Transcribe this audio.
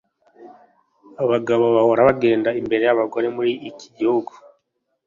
Abagabo bahora bagenda imbere yabagore muri iki gihugu.